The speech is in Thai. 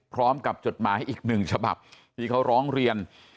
พร้อมกับจดหมายอีก๑ฉบับที่เขาร้องเรียน